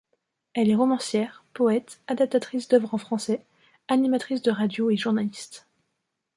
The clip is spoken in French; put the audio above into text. Elle est romancière, poète, adaptatrice d'œuvres en français, animatrice de radio et journaliste.